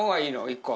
１個。